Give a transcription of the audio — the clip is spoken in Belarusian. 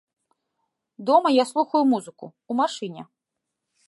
Дома я слухаю музыку, у машыне.